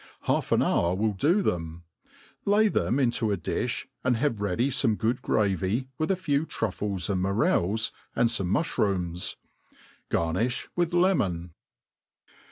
Half an hour will do them. Lay them into a diih, and have ready fome good gravy, with a few trufles and morels, and fome mulbrooms. Ga^ nifli with le mon.